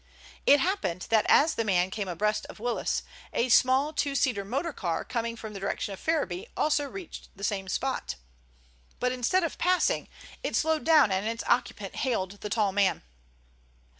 It happened that as the man came abreast of Willis, a small two seater motor car coming from the direction of Ferriby also reached the same spot. But instead of passing, it slowed down and its occupant hailed the tall man.